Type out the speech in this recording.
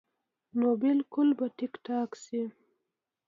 نو بالکل به ټيک ټاک شي -